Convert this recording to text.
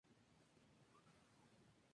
Él forma equipos pero no los emplea.